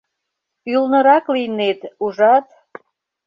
Ӱлнырак лийнет, ужат?